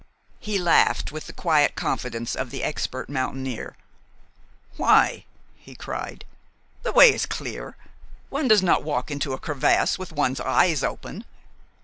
He laughed, with the quiet confidence of the expert mountaineer. "Why?" he cried. "The way is clear. One does not walk into a crevasse with one's eyes open."